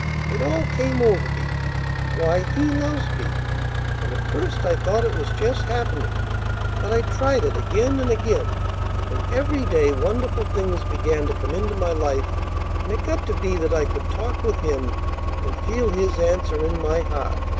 It all came over me, 'Why, He loves me!' And at first I thought it was just happening; but I tried it again and again, and every day wonderful things began to come into my life, and it got to be that I could talk with Him and feel His answer in my heart.